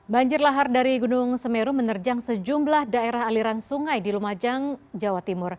banjir lahar dari gunung semeru menerjang sejumlah daerah aliran sungai di lumajang jawa timur